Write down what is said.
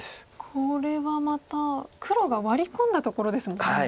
これはまた黒がワリ込んだところですもんね。